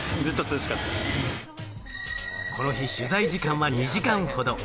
この日、取材時間は２時間ほど。